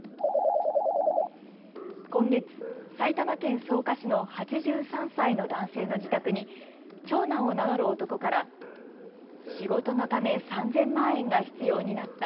今月、埼玉県草加市の８３歳の男性の自宅に長男を名乗る男から仕事のため３０００万円が必要になった。